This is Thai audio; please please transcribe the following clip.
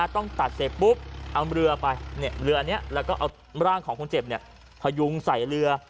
ต้องตัดเสร็จปุ๊บเอาเรือไปเรืออันนี้แล้วก็เอาร่างของคนเจ็บพยุงใส่เรือ